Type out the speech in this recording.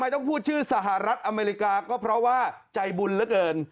ต้องพูดชื่อสหรัฐอเมริกาก็เพราะว่าใจบุญเหลือเกิน